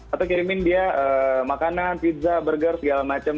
atau kirimin dia makanan pizza burger segala macam